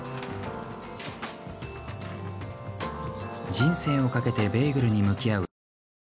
人生をかけてベーグルに向き合う作り手たち。